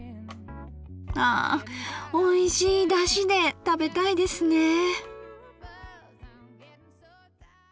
あおいしいだしで食べたいですねえ。